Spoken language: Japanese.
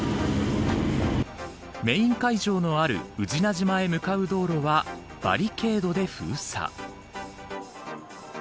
メーン会場のある宇品島へ向かう道路はバリケードで封鎖。